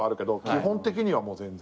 基本的にはもう全然。